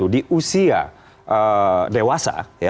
di usia dewasa